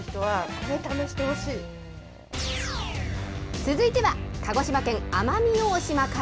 続いては鹿児島県奄美大島から。